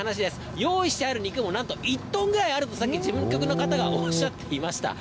用意してある肉もなんと１トンぐらいあると、さっき事務局の方がおっしゃっていました。